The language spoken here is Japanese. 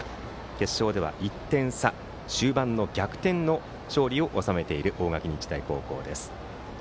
決勝では１点差終盤の逆転勝利を収めている大垣日大高校です。